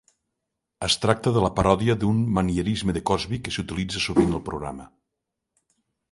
Es tracta de la paròdia d'un manierisme de Cosby que s'utilitza sovint al programa.